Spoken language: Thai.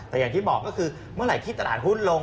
แต่อย่างที่บอกก็คือเมื่อไหร่ที่ตลาดหุ้นลง